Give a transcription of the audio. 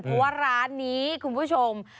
เพราะว่าร้านนี้คุณผู้ชม